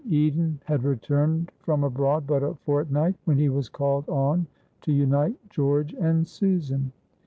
Eden had returned from abroad but a fortnight when he was called on to unite George and Susan.